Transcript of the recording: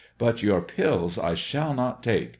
But your pills I shall not take.